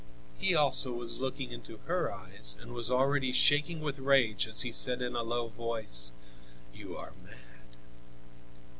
He also was looking into her eyes and was already shaking with rage as he said in a low voice: "You are mad."